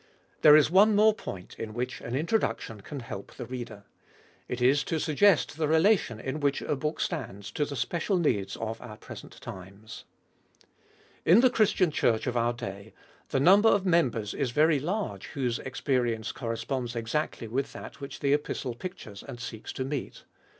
There is one more point in which an Introduction can help the reader. It is to suggest the relation in which a book stands to the special needs of our present times. In the Christian Church of our day the number of members is very large, whose experience corresponds exactly with that which the Epistle pictures and seeks to meet.